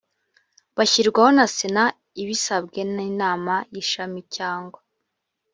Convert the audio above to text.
bashyirwaho na sena ibisabwe n inama y ishami cyangwa